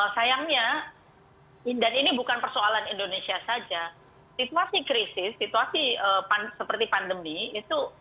sayangnya dan ini bukan persoalan indonesia saja situasi krisis situasi seperti pandemi itu